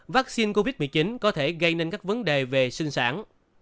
vaccine covid một mươi chín có thể gây nên các vấn đề về sinh sản